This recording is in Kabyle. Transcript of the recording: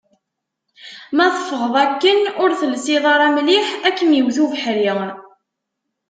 Ma teffɣeḍ akken ur telsiḍ ara mliḥ, ad kem-iwet ubeḥri.